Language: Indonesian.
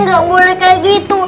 kalian gak boleh kayak gitu